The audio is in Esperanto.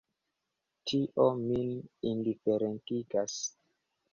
Tio min indiferentigas.